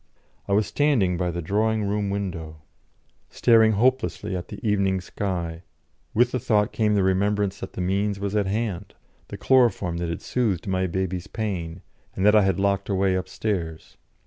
I was standing by the drawing room window, staring hopelessly at the evening sky; with the thought came the remembrance that the means was at hand the chloroform that had soothed my baby's pain, and that I had locked away upstairs.